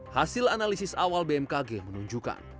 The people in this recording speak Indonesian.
hasil analisis awal bmkg menunjukkan